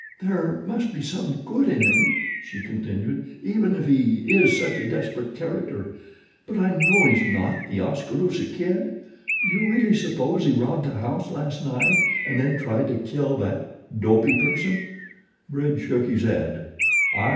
"There must be some good in him," she continued, "even if he is such a desperate character; but I know he's not The Oskaloosa Kid. Do you really suppose he robbed a house last night and then tried to kill that Dopey person?" Bridge shook his head.